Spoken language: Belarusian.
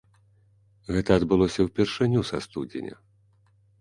Гэта адбылося ўпершыню са студзеня.